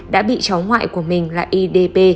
đã bị cháu ngoại của mình là idp